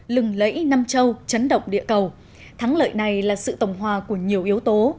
lẫy nam châu chấn động địa cầu thắng lợi này là sự tổng hòa của nhiều yếu tố